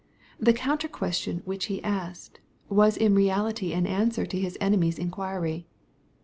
The counter question which He asked, was in reality acu^nswer to His enemies' inquiry.